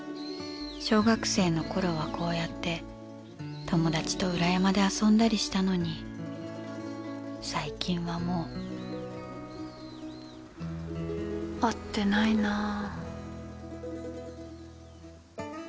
小学生のころはこうやって友達と裏山で遊んだりしたのに最近はもう会ってないな。